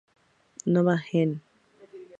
Nova Gen.